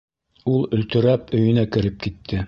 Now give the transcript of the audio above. Ул өлтөрәп өйөнә кереп китте.